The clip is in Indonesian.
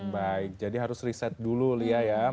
baik jadi harus riset dulu lia ya mas anggi